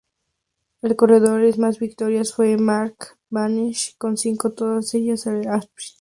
El corredor con más victorias fue Mark Cavendish con cinco, todas ellas al sprint.